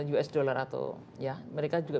us dollar atau mereka juga